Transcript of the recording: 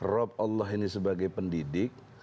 rab allah ini sebagai pendidik